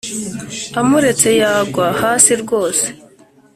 Amuretse yagwa hasi rwose